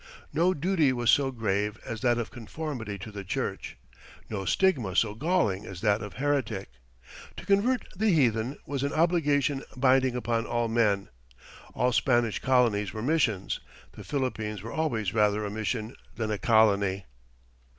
No duty was so grave as that of conformity to the Church, no stigma so galling as that of heretic. To convert the heathen was an obligation binding upon all men. All Spanish colonies were missions; the Philippines were always rather a mission than a colony.